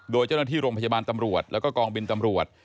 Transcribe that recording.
โดยเจ้าหน้าที่โรงพยาบาลตำรวจแล้วก็กองบินตำรวจ